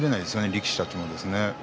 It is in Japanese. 力士たちも。